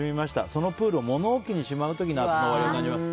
そのプールを物置にしまう時夏の終わりを感じます。